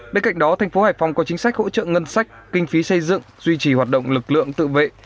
bên cạnh đó thành phố hải phòng có chính sách hỗ trợ ngân sách kinh phí xây dựng duy trì hoạt động lực lượng tự vệ